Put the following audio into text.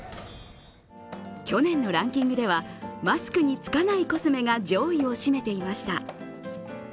去年のランキングではマスクにつかないコスメが上位を占めていました。